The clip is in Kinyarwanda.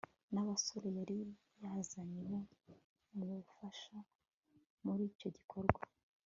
nabasore yari yazanye bo kumufasha muri icyo gikorwa